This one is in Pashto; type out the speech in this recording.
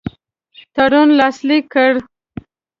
تړون لاسلیک کړ.